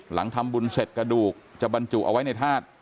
หลังทำบุญเสร็จกระดูกจะบรรจุเอาไว้ในธาตุ